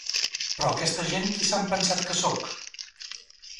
Però aquesta gent qui s'han pensat que soc?